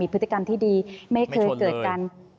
มีพฤติกรรมที่ดีไม่เคยเกิดกันไม่ชนเลย